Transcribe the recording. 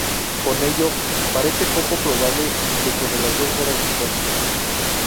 Con ello parece poco probable que su relación fuera sexual.